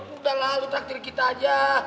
udah lah lo terakhir kita aja